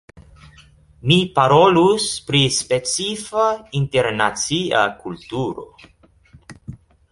Mi parolus pri specifa, internacia kulturo.